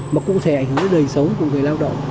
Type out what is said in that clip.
mà cụ thể ảnh hưởng đến đời sống của người lao động